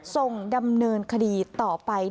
ส่งดำเนินคดีต่อไป